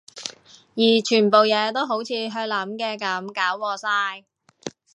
而全部嘢都好似佢諗嘅噉搞禍晒